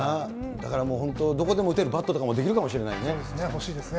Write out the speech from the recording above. だからもう、本当、どこでも打てるバットとかもできるかもしれなそうですね。